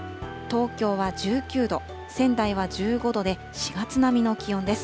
東京は１９度、仙台は１５度で、４月並みの気温です。